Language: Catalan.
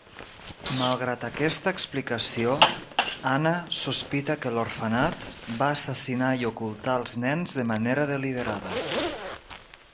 Malgrat aquesta explicació, Anna sospita que l'orfenat va assassinar i ocultar els nens de manera deliberada.